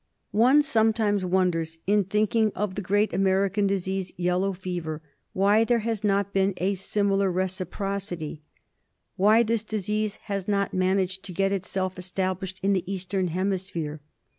One sometimes wonders, in thinking of the great American disease, yellow fever, why there has not been a similar reciprocity ; why this disease has not managed to get itself established in the Eastern Hemisphere.